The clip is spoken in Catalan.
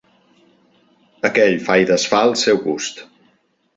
Aquell fa i desfà al seu gust.